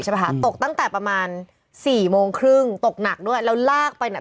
ค่ะตกตั้งแต่ประมาณสี่โมงครึ่งตกหนักด้วยแล้วลากไปเนี่ย